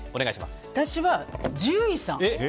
私は獣医さん。